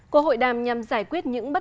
cô hội đàm nhằm giải quyết những vấn đề